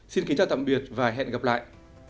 xin kính chào tạm biệt và hẹn gặp lại